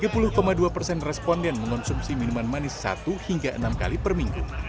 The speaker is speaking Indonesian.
tiga puluh dua persen responden mengonsumsi minuman manis satu hingga enam kali per minggu